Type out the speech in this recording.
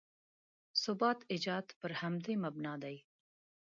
ثبات ایجاد پر همدې مبنا دی.